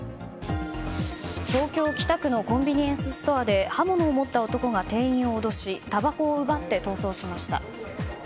東京・北区のコンビニエンスストアで刃物を持った男が店員を脅したばこを奪って逃走しました。